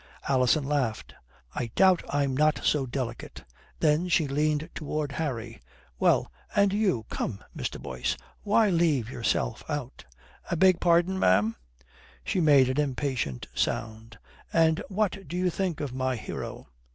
Alison laughed. "I doubt I'm not so delicate," Then she leaned towards Harry. "Well, and you? Come, Mr. Boyce, why leave yourself out?" "I beg pardon, ma'am?" She made an impatient sound. "And what do you think of my hero?"